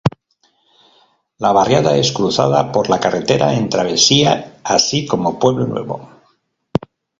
La barriada es cruzada por la carretera en travesía, así como Pueblo Nuevo.